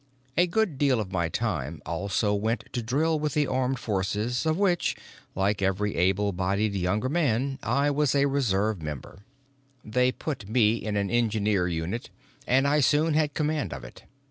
A good deal of my time also went to drill with the armed forces of which, like every able bodied younger man, I was a reserve member. They put me in an engineer unit and I soon had command of it.